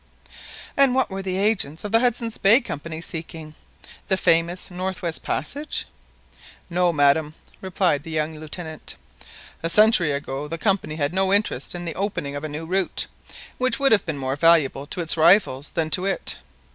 "And what were the agents of the Hudson's Bay Company seeking? The famous North West Passage?" "No, madam," replied the young Lieutenant. "A century ago the Company had no interest in the opening of a new route, which would have been more valuable to its rivals than to it.